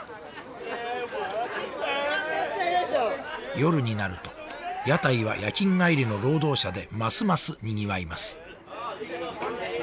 夜になると屋台は夜勤帰りの労働者でますますにぎわいます